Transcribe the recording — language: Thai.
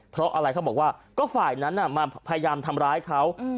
เพราะอะไรเขาบอกว่าก็ฝ่ายนั้นมาพยายามทำร้ายเขา